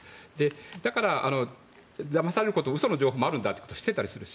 だからだまされること嘘の情報もあるんだということが知ってたりするし。